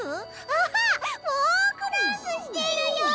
あっフォークダンスしてるよ！